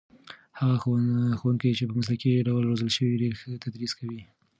هغه ښوونکي چې په مسلکي ډول روزل شوي ډېر ښه تدریس کوي.